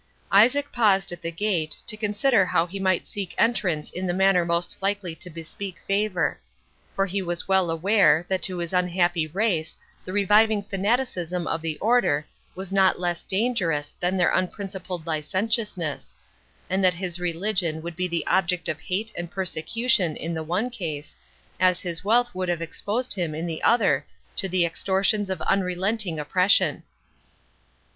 Isaac paused at the gate, to consider how he might seek entrance in the manner most likely to bespeak favour; for he was well aware, that to his unhappy race the reviving fanaticism of the Order was not less dangerous than their unprincipled licentiousness; and that his religion would be the object of hate and persecution in the one case, as his wealth would have exposed him in the other to the extortions of unrelenting oppression.